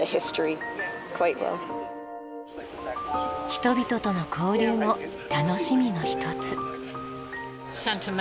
人々との交流も楽しみの一つ。